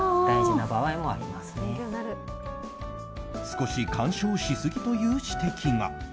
少し干渉しすぎという指摘が。